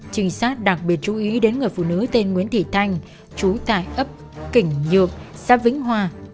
trinh sát đặc biệt chú ý đến người phụ nữ tên nguyễn thị thanh chú tại ấp kỉnh nhược xã vĩnh hòa